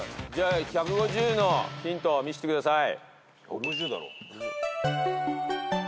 １５０のヒントを見せてください。